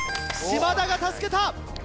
嶋田が助けた！